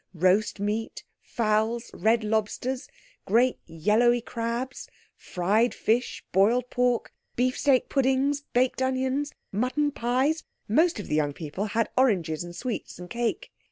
Roast meat, fowls, red lobsters, great yellowy crabs, fried fish, boiled pork, beef steak puddings, baked onions, mutton pies; most of the young people had oranges and sweets and cake.